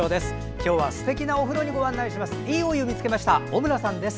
今日もすてきなお風呂にご案内します。